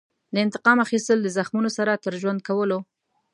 د انتقام اخیستل د زخمونو سره تر ژوند کولو.